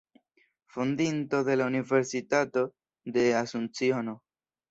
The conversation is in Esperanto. Fondinto de la Universitato de Asunciono.